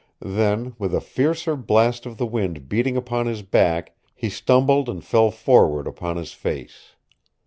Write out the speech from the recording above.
Then, with a fiercer blast of the wind beating upon his back, he stumbled and fell forward upon his face.